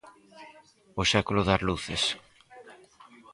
O século das luces.